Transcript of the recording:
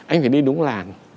anh phải đi đúng làn